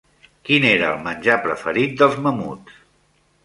Quin era el menjar preferit dels mamuts?